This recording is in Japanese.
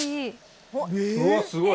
うわっすごい！